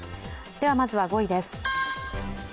まずは５位です。